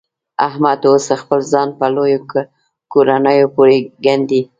احمد اوس خپل ځان په لویو کورنیو پورې ګنډي.